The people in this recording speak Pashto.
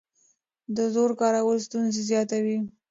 د زور کارول ستونزې زیاتوي